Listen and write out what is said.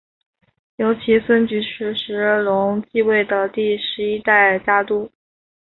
由其孙菊池时隆继位为第十一代家督。